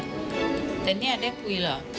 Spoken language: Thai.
สวัสดีครับ